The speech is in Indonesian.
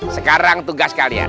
sekarang tugas kalian